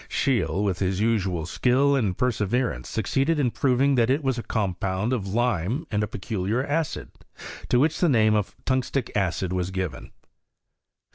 Scheele, with his usual skill and perseverance, succeeded in proving that it was a compound of lime and a peculiar acid, to which the name of tungstic acid was given.